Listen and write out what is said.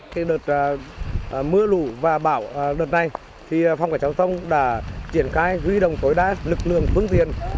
khi đợt mưa lũ và bão đợt này phòng cải cháu tông đã triển khai ghi đồng tối đá lực lượng phương tiền